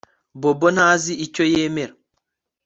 Bobo ntazi icyo yemera